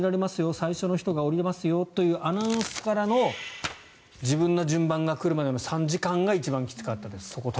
最初の人が降りますよというアナウンスからの自分の順番が来るまでの３時間が一番きつかったです。